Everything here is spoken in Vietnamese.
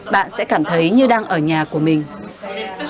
bạn sẽ cảm thấy như đang ở nhà của mình